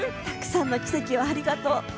たくさんの奇跡をありがとう。